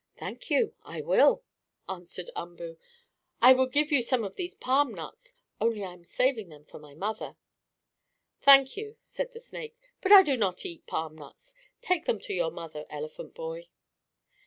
"Thank you, I will," answered Umboo. "I would give you some of these palm nuts, only I am saving them for my mother." "Thank you," said the snake. "But I do not eat palm nuts. Take them on to your mother, elephant boy."